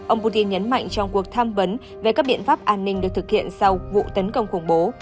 ông putin nhấn mạnh trong cuộc tham vấn về các biện pháp an ninh được thực hiện sau vụ tấn công khủng bố